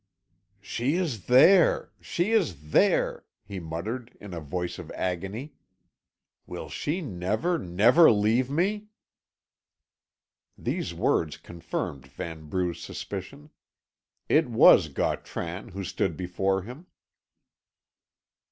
"She is there she is there!" he muttered, in a voice of agony. "Will she never, never leave me?" These words confirmed Vanbrugh's suspicion. It was Gautran who stood before him.